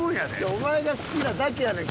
お前が好きなだけやねん